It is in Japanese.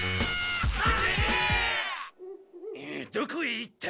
どこへ行った？